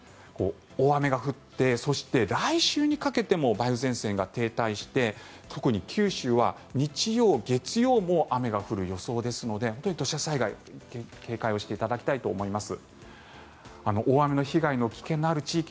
大雨が降ってそして来週にかけても梅雨前線が停滞して特に九州は日曜、月曜も雨が降る予想ですので本当に土砂災害に警戒していただきたいと思います。